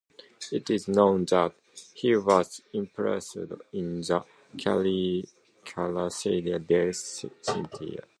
It is known that he was imprisoned in the "Carceri delle Stinche".